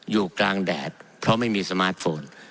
อยู่กลางแดดเพราะไม่มีสมาร์ทโฟน